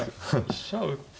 飛車打って。